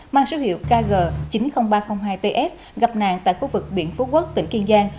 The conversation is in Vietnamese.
mang số hiệu kg chín mươi nghìn ba trăm linh hai ts gặp nạn tại khu vực biển phú quốc tỉnh kiên giang